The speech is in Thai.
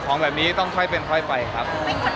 ของแบบนี้ต้องค่อยเป็นค่อยไปครับ